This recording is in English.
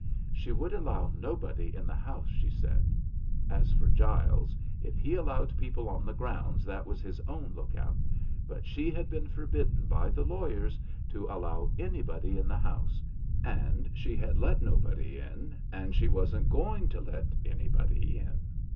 She would allow nobody in the house, she said. As for Giles, if he allowed people on the grounds that was his own look out, but she had been forbidden by the lawyers to allow anybody in the house, and she had let nobody in, and she wasn't going to let anybody in.